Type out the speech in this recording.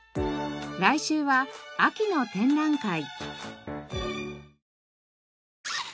来週は秋の展覧会。